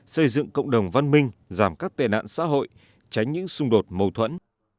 xây dựng cộng đồng văn minh giảm các tệ nạn xã hội tránh những xung đột mâu thuẫn